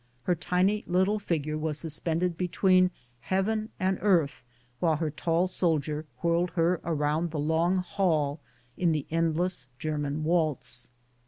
Her tiny little figure was suspended between heaven and earth while her tall soldier whirled her around the long hall in the endless German waltz.